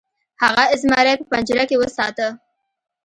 هغه زمری په پنجره کې وساته.